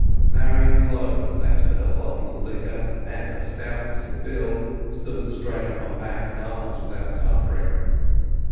Marian alone, thanks to her bottle of liquor and her stoutness of build, stood the strain upon back and arms without suffering.